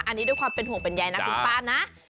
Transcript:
อันนี้ด้วยความเป็นห่วงเป็นใยนะคุณป้านะ